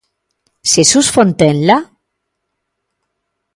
Xesús Fontenla?